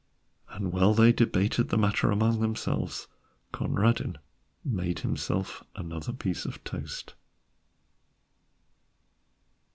And while they debated the matter among themselves, Conradin made himself another piece of toast.